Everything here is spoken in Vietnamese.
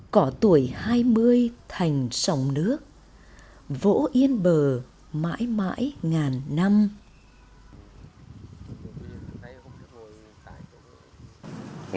có tuổi hai mươi thành sông nước vỗ yên bờ mãi mãi ngàn năm